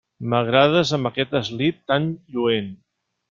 M'agrades amb aquest eslip tan lluent.